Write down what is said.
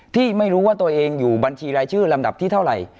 ที่ไม่รู้ว่าตัวเองอยู่บัญชีรายชื่อลำดับที่เท่าไหร่